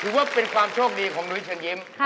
ว่าเป็นความโชคดีของนุ้ยเชิญยิ้ม